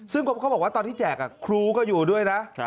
ซึ่งเขาบอกว่าตอนที่แจกครูก็อยู่ด้วยนะ